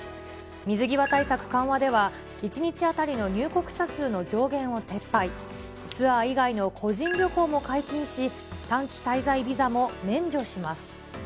水際対策緩和では、１日当たりの入国者数の上限を撤廃、ツアー以外の個人旅行も解禁し、短期滞在ビザも免除します。